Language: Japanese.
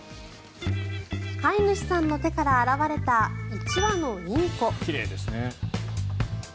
飼い主さんの手から現れた１羽のインコ。